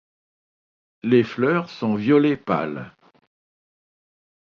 Les fleurs sont violet pâle.